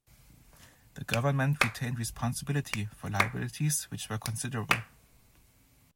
The government retained responsibility for liabilities, which were considerable.